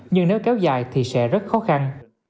nhưng nếu kéo dài thì sẽ rất khó khăn